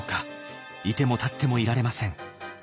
いても立ってもいられません。